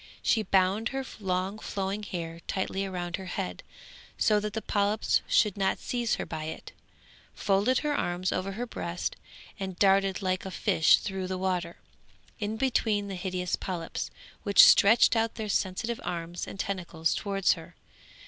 She bound her long flowing hair tightly round her head, so that the polyps should not seize her by it, folded her hands over her breast, and darted like a fish through the water, in between the hideous polyps, which stretched out their sensitive arms and tentacles towards her.